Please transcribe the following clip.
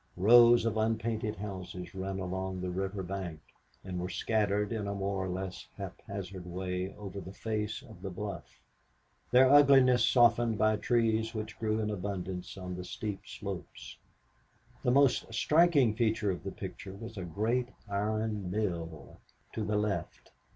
Rows of unpainted houses ran along the river bank and were scattered in a more or less haphazard way over the face of the bluff; their ugliness softened by trees which grew in abundance on the steep slopes. The most striking feature of the picture was a great iron mill to the left.